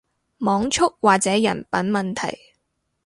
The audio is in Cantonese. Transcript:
網速或者人品問題